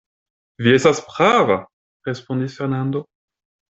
Vi estas prava, respondis Fernando!